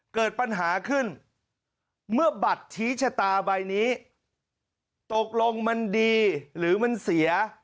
เกิดปัญหาขึ้นเมื่อบัตรชี้ชะตาใบนี้ตกลงมันดีหรือมันเสีย